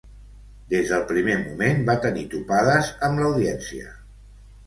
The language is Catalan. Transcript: Des del primer moment va tenir topades amb l'Audiència.